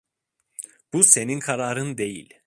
Bu senin kararın değil.